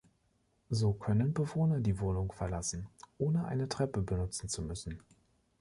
So können Bewohner die Wohnung verlassen, ohne eine Treppe benutzen zu müssen.